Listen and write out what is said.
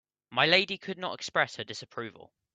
My lady could not express her disapproval.